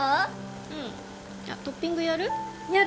うんあっトッピングやる？